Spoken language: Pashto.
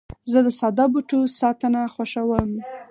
زه د ساده بوټو ساتنه خوښوم.